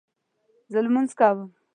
زه لمونځ کوم